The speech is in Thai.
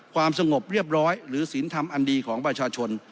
ความสงบเรียบร้อยหรือศีลธรรมอันดีของประชาชน